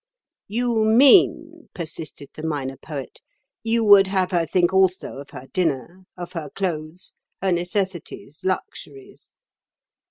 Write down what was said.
"You mean," persisted the Minor Poet, "you would have her think also of her dinner, of her clothes, her necessities, luxuries."